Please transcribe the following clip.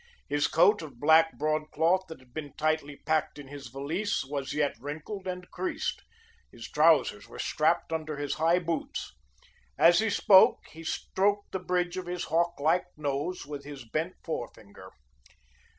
His coat of black broad cloth that had been tightly packed in his valise, was yet wrinkled and creased; his trousers were strapped under his high boots. As he spoke, he stroked the bridge of his hawklike nose with his bent forefinger.